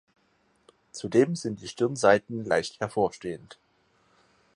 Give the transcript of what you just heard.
Zudem sind die Stirnseiten leicht hervorstehend.